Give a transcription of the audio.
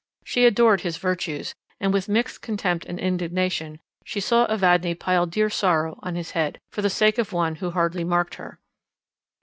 She adored his virtues, and with mixed contempt and indignation she saw Evadne pile drear sorrow on his head, for the sake of one who hardly marked her.